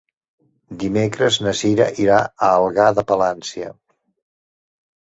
Dimecres na Cira irà a Algar de Palància.